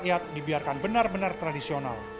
rakyat dibiarkan benar benar tradisional